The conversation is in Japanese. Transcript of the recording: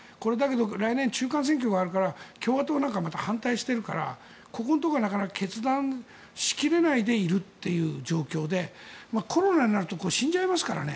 来年、中間選挙があるから共和党なんかは反対しているからここのところは決断しきれないでいる状況でコロナになると死んじゃいますからね。